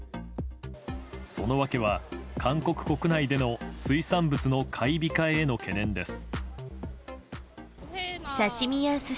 その訳は、韓国国内での水産物の買い控えへの懸念です。